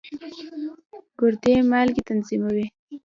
ګردې مالګې تنظیموي.